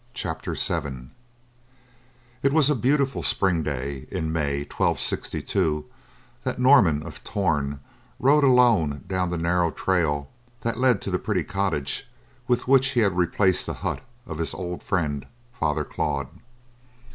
CHAPTER VII It was a beautiful spring day in May, 1262, that Norman of Torn rode alone down the narrow trail that led to the pretty cottage with which he had replaced the hut of his old friend, Father Claude.